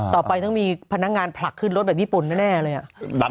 ต่อไปต้องมีพนักงานผลักขึ้นรถแบบญี่ปุ่นแน่เลย